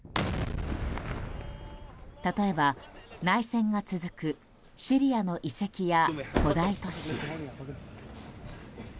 例えば、内戦が続くシリアの遺跡や古代都市。